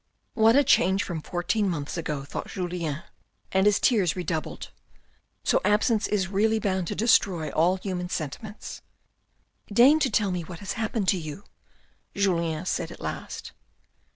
" What a change from fourteen months ago," thought Julien, and his tears redoubled. "So absence is really bound to destroy all human sentiments." " Deign to tell me what has happened to you ?" Julien said at last.